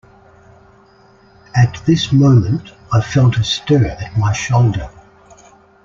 At this moment I felt a stir at my shoulder.